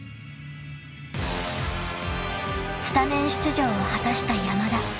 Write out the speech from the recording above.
［スタメン出場を果たした山田］